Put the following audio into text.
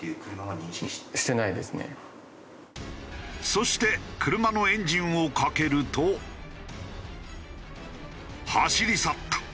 そして車のエンジンをかけると走り去った。